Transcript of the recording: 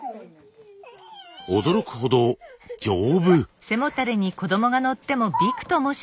驚くほど丈夫。